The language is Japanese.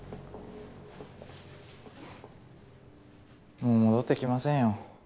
もう戻ってきませんよ。